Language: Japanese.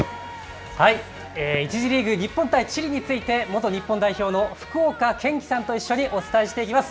１次リーグ日本対チリについて元日本代表の福岡堅樹さんと一緒にお伝えしていきます。